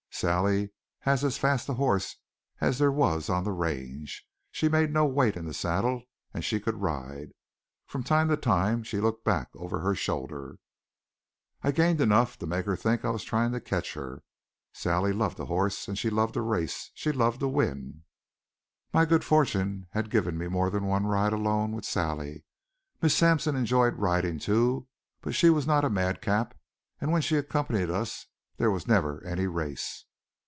Sally had as fast a horse as there was on the range; she made no weight in the saddle, and she could ride. From time to time she looked back over her shoulder. I gained enough to make her think I was trying to catch her. Sally loved a horse; she loved a race; she loved to win. My good fortune had given me more than one ride alone with Sally. Miss Sampson enjoyed riding, too; but she was not a madcap, and when she accompanied us there was never any race.